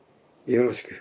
よろしく。